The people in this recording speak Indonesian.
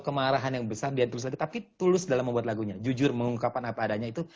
kemarahan yang besar dia tulus lagi tapi tulus dalam membuat lagunya jujur mengungkapkan apa adanya itu